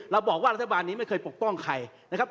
บอกว่ารัฐบาลนี้ไม่เคยปกป้องใครนะครับ